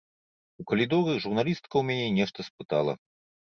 У калідоры журналістка ў мяне нешта спытала.